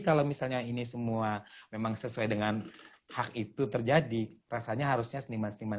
kalau misalnya ini semua memang sesuai dengan hak itu terjadi rasanya harusnya seniman seniman